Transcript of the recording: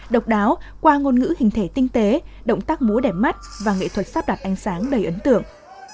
độc đáo qua ngôn ngữ hình thể tinh tế động tác múa đẻ mắt và nghệ thuật sắp đặt ánh sáng đầy ấn tượng